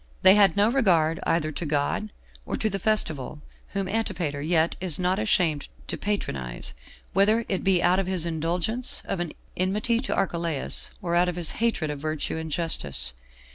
They had no regard, either to God or to the festival, whom Antipater yet is not ashamed to patronize, whether it be out of his indulgence of an enmity to Archelaus, or out of his hatred of virtue and justice.